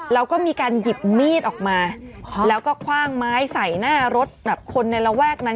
แล้วก็มีการหยิบมีดออกมาแล้วก็คว่างไม้ใส่หน้ารถแบบคนในระแวกนั้น